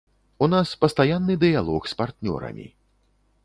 У нас пастаянны дыялог з партнёрамі.